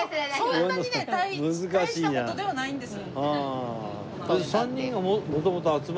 そんなにね大した事ではないんです。